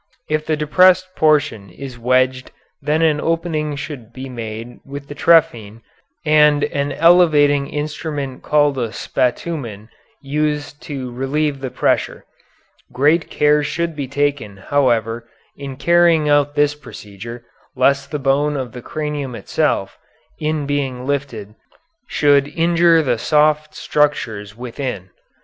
If the depressed portion is wedged then an opening should be made with the trephine and an elevating instrument called a spatumen used to relieve the pressure. Great care should be taken, however, in carrying out this procedure lest the bone of the cranium itself, in being lifted, should injure the soft structures within.